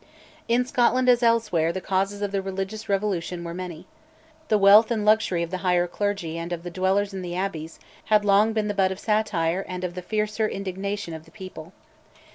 In Scotland, as elsewhere, the causes of the religious revolution were many. The wealth and luxury of the higher clergy, and of the dwellers in the abbeys, had long been the butt of satire and of the fiercer indignation of the people.